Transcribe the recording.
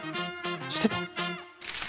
知ってた？